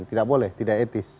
tidak boleh tidak etis